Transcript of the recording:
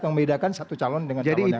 membedakan satu calon dengan calon yang lain